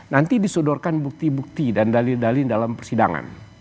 nanti disodorkan bukti bukti dan dalil dalil dalam persidangan